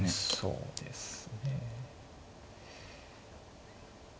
そうですね。